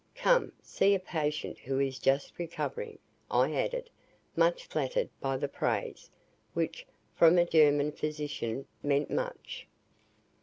"Come see a patient who is just recovering," I added, much flattered by the praise, which, from a German physician, meant much.